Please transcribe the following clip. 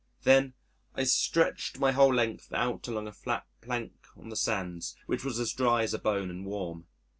Then I stretched my whole length out along a flat plank on the sands, which was as dry as a bone and warm.